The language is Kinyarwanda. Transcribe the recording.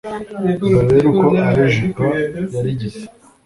Dore rero uko Alain Juppe yarigise